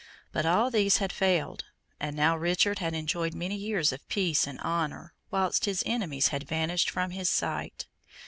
But all these had failed; and now Richard had enjoyed many years of peace and honour, whilst his enemies had vanished from his sight.